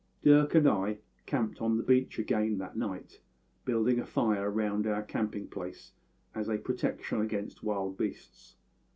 "Dirk and I camped on the beach again that night, building a fire round our camping place as a protection against wild beasts.